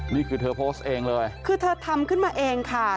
นี่คือเธอโพสต์เองเลยคือเธอทำขึ้นมาเองค่ะ